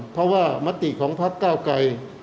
เพราะว่ามติของพักเก้าไกร